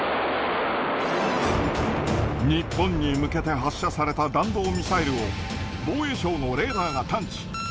日本に向けて発射された弾道ミサイルを、防衛省のレーダーが探知。